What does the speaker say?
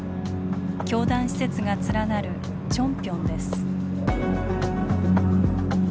教団施設が連なるチョンピョンです。